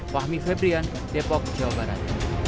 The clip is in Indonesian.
fahmi febrian depok jawa barat